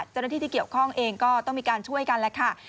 จณ์วันที่เกี่ยวข้องเองก็ต้องมีการช่วยกันค่ะ